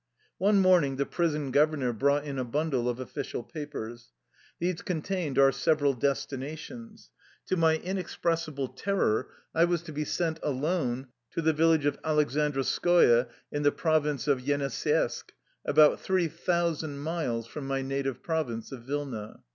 One morning the prison governor brought in a bundle of official papers. These contained our several destinations. To my inexpressible ter ror I was to be sent alone to the village of Alek sandrovskoye, in the province of Yeniseisk, about three thousand miles from my native province of Vilna.